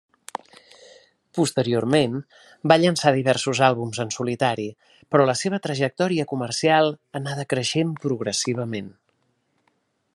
Posteriorment va llançar diversos àlbums en solitari però la seva trajectòria comercial anà decreixent progressivament.